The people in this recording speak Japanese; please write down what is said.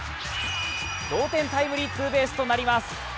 同点タイムリーツーベースとなります。